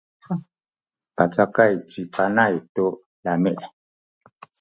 pacakay ci Panay tu lami’.